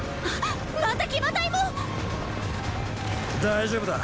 大丈夫だ。